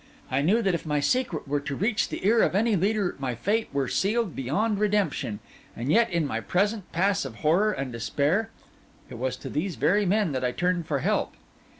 I knew that if my secret were to reach the ear of any leader my fate were sealed beyond redemption; and yet in my present pass of horror and despair, it was to these very men that I turned for help.